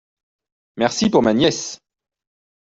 Merci pour ma nièce…